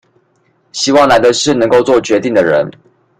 希望來的是能夠作決定的人